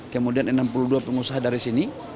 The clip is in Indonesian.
kemudian enam puluh dua pengusaha dari sini